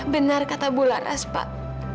benar kata bularas pak